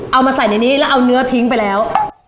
เอามาใส่ในนี้แล้วเอาเนื้อทิ้งไปแล้ว